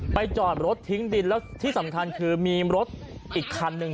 จอดรถทิ้งดินแล้วที่สำคัญคือมีรถอีกคันหนึ่ง